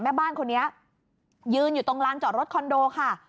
แม่บ้านคนนี้ยืนอยู่ตรงลานจอดรถคอนโดค่ะ